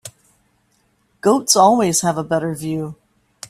Goats always have a better view.